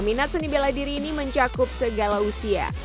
minat seni bela diri ini mencakup segala usia